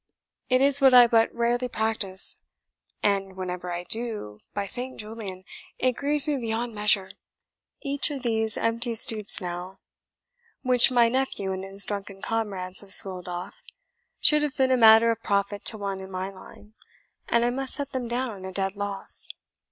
It is what I but rarely practise; and whenever I do, by Saint Julian, it grieves me beyond measure. Each of these empty stoups now, which my nephew and his drunken comrades have swilled off, should have been a matter of profit to one in my line, and I must set them down a dead loss.